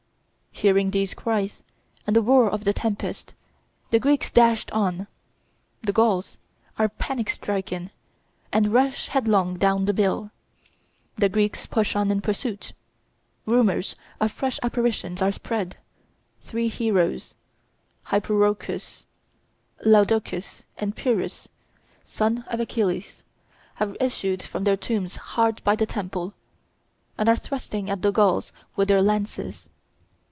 Hearing these cries and the roar of the tempest, the Greeks dash on the Gauls are panic stricken, and rush headlong down the bill. The Greeks push on in pursuit. Rumors of fresh apparitions are spread; three heroes, Hyperochus, Laodocus, and Pyrrhus, son of Achilles, have issued from their tombs hard by the temple, and are thrusting at the Gauls with their lances.